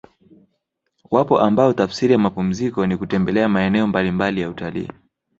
Wapo ambao tafsiri ya mapumziko ni kutembelea maeneo mbalimbali ya utalii